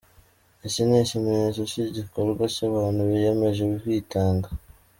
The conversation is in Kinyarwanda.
Iki ni ikimenyetso cy’igikorwa cy’abantu biyemeje kwitanga.